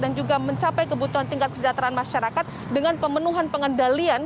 juga mencapai kebutuhan tingkat kesejahteraan masyarakat dengan pemenuhan pengendalian